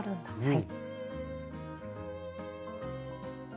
はい。